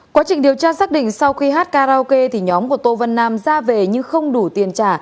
quá trình điều tra xác định sau khi hát karaoke thì nhóm của tô văn nam ra về nhưng không đủ tiền trả